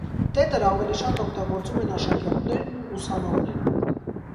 Տետր ավելի շատ օգտագործում են աշակերտներն ու ուսանողները։